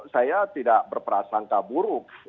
saya tidak berprasangka buruk